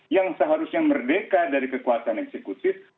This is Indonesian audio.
yang seharusnya merdeka dari kekuatan eksekutif